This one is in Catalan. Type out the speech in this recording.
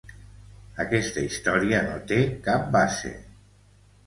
Aquesta història no té cap base.